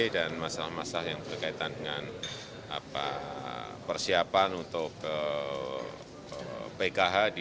dan masalah masalah yang berkaitan dengan persiapan untuk pkh di dua ribu sembilan belas